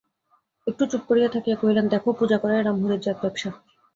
একটু চুপ করিয়া থাকিয়া কহিলেন, দেখো, পূজা করাই রামহরির জাত-ব্যাবসা।